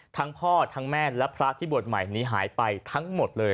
ทั้งพ่อทั้งแม่และพระที่บวชใหม่นี้หายไปทั้งหมดเลย